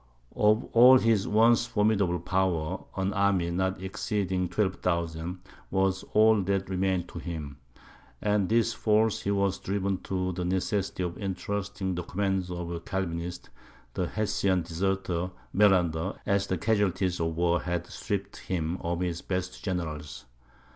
Of all his once formidable power, an army, not exceeding 12,000, was all that remained to him; and this force he was driven to the necessity of entrusting to the command of a Calvinist, the Hessian deserter Melander, as the casualties of war had stripped him of his best generals.